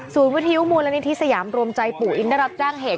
ศูนย์วิทยุมูลและนิทธิสยามรวมใจปู่อินได้รับจ้างเหตุ